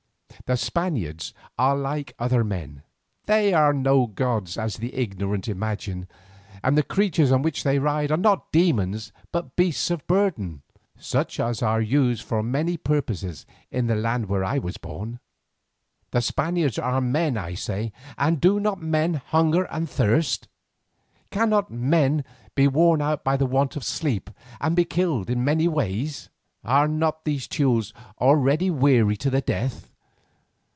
The Spaniards are like other men; they are no gods as the ignorant imagine, and the creatures on which they ride are not demons but beasts of burden, such as are used for many purposes in the land where I was born. The Spaniards are men I say, and do not men hunger and thirst? Cannot men be worn out by want of sleep, and be killed in many ways? Are not these Teules already weary to the death?